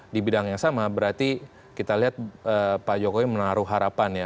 di bidang yang sama berarti kita lihat pak jokowi menaruh harapan ya